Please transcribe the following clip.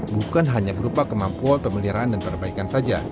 bukan hanya berupa kemampuan pemeliharaan dan perbaikan saja